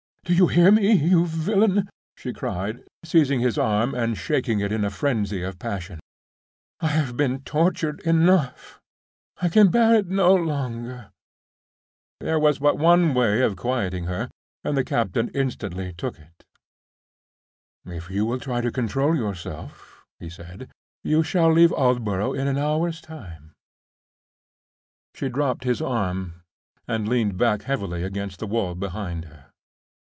Do you hear, you villain?" she cried, seizing his arm and shaking it in a frenzy of passion; "I have been tortured enough—I can bear it no longer!" There was but one way of quieting her, and the captain instantly took it. "If you will try to control yourself," he said, "you shall leave Aldborough in an hour's time." She dropped his arm, and leaned back heavily against the wall behind her.